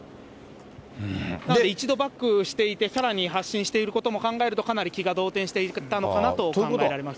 一度バックしていて、さらに発進していることも考えると、かなり気が動転していたのかなと考えられます。